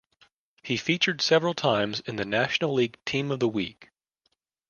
He featured several times in the National League Team of the Week.